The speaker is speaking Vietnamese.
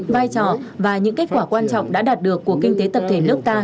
vai trò và những kết quả quan trọng đã đạt được của kinh tế tập thể nước ta